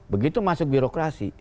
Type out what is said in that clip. begitu masuk birokrasi